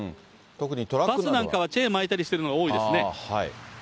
バスなんかはチェーン巻いたりしてるのが多いですね。